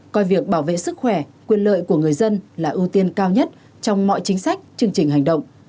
coi việc bảo vệ sức khỏe quyền lợi của người dân là ưu tiên cao nhất trong mọi chính sách chương trình hành động